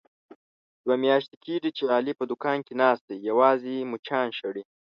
دوه میاشتې کېږي، چې علي په دوکان کې ناست دی یوازې مچان شړي.